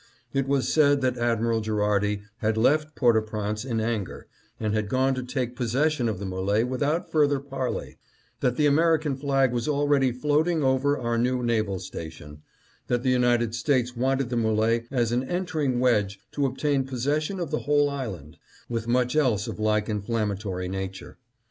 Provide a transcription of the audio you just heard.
It was said that Admiral Gherardi had left Port au Prince in anger, and had gone to take possession of the M61e without further parley ; that the American flag was already floating over our new naval station ; that the United States wanted the M61e as an entering wedge to obtaining possession of the whole island ; with much else of like inflammatory nature.